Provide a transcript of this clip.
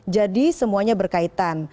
jadi semuanya berkaitan